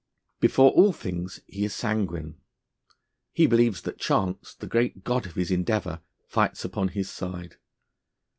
Before all things, he is sanguine; he believes that Chance, the great god of his endeavour, fights upon his side.